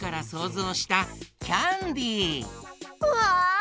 うわ！